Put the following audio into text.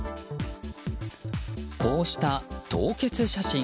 こうした凍結写真。